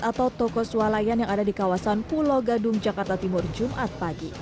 atau toko sualayan yang ada di kawasan pulau gadung jakarta timur jumat pagi